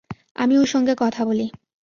আমি ওর সঙ্গে কথা বলি।